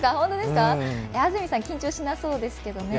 安住さん、緊張しなそうですけどね。